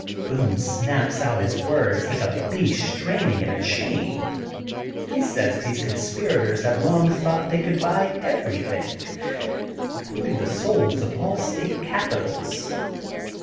Boone snaps out his words like a beast strain ing at a chain. He says these conspirators have long thought they could buy everything, includ ing the souls of all state capitals.